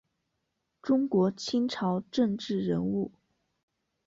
中国清朝政治人物。